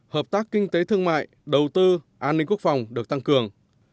hợp tác kinh tế thương mại đầu tư an ninh quốc phòng được tăng cường